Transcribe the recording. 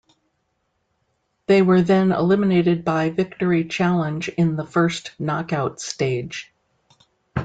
They were then eliminated by Victory Challenge in the first knock-out stage.